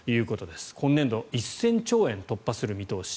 今年度１０００兆円突破する見通し。